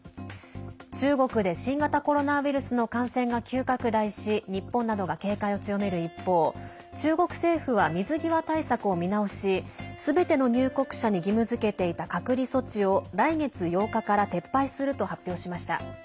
中国で新型コロナウイルスの感染が急拡大し日本などが警戒を強める一方中国政府は水際対策を見直しすべての入国者に義務づけていた隔離措置を来月８日から撤廃すると発表しました。